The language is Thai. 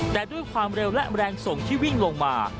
แต่ด้วยความเร็วและแรงส่งที่วิ่งลงมา